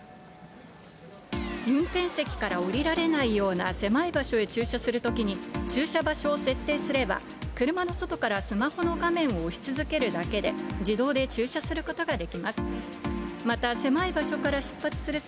運転席から降りられないような狭い場所へ駐車するときに、駐車場所を設定すれば、車の外からスマホの画面を押し続けるだけで、自動で駐車することができます。